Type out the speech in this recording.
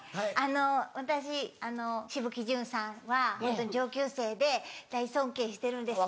私紫吹淳さんは上級生で大尊敬してるんですけど。